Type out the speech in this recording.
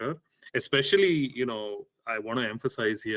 terutama saya ingin mengucapkan di sini